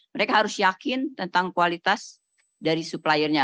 mereka harus yakin tentang kualitas dari suppliernya